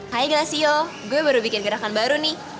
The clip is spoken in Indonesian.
hai gracio gue baru bikin gerakan baru nih